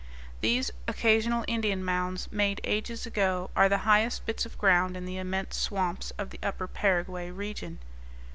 These occasional Indian mounds, made ages ago, are the highest bits of ground in the immense swamps of the upper Paraguay region.